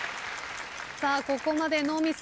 ここまでノーミス。